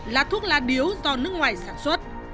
là thuốc lá điếu do nước ngoài sản xuất